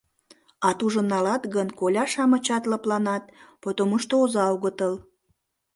А тужын налат гын, коля-шамычат лыпланат, потомушто оза огытыл...